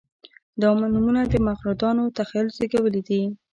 دا نومونه د مغرضانو تخیل زېږولي دي.